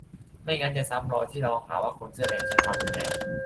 ไม่งั้นจะซ้ำรอยที่เราหาว่าคนเสื้อแดงใช้ความรุนแรง